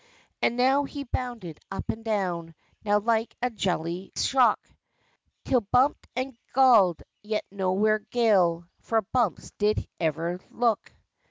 And now he bounded up and down, Now like a jelly shook: Till bumped and galled yet not where Gall For bumps did ever look!